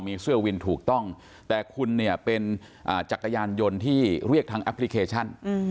มีเสื้อวินถูกต้องแต่คุณเนี่ยเป็นจักรยานยนต์ที่เรียกทางแอปพลิเคชัน